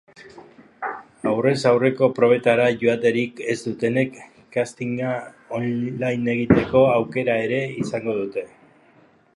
Aurrez aurreko probetara joaterik ez dutenek castinga online egiteko aukera ere izango dute.